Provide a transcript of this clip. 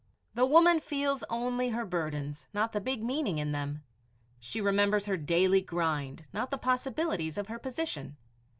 The woman feels only her burdens, not the big meaning in them. She remembers her daily grind, not the possibilities of her position.